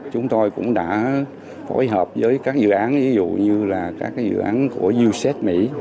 chúng tôi cũng đã phối hợp với các dự án như là các dự án của used mỹ